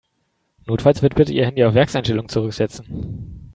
Notfalls wird Birte ihr Handy auf Werkseinstellungen zurücksetzen.